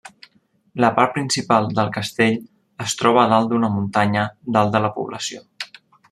La part principal del castell es troba a dalt d'una muntanya dalt de la població.